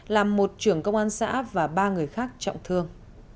làm một trưởng công an xã và ba người khác trọng thương